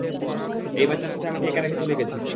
এই বাচ্চার সাথে আমাকে একা রেখে চলে গেছে।